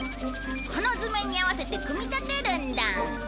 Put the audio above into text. この図面に合わせて組み立てるんだ。